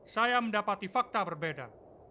saya mendapati fakta berbeda